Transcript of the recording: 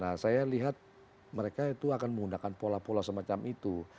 nah saya lihat mereka itu akan menggunakan pola pola semacam itu